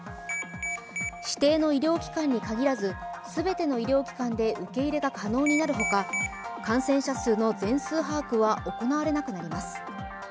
指定の医療機関に限らず全ての医療機関で受け入れが可能になるほか感染者数の全数把握は行われなくなります。